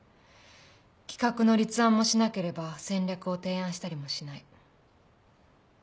企画の立案もしなければ戦略を提案したりもしない。